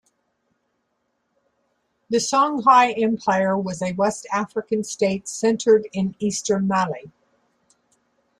The Songhai Empire was a western African state centered in eastern Mali.